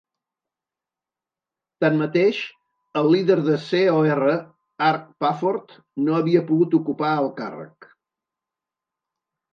Tanmateix, el líder de CoR, Arch Pafford, no havia pogut ocupar el càrrec.